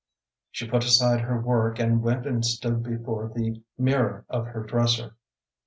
She put aside her work and went and stood before the mirror of her dresser.